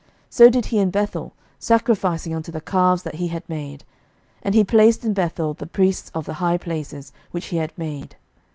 So did he in Bethel, sacrificing unto the calves that he had made: and he placed in Bethel the priests of the high places which he had made.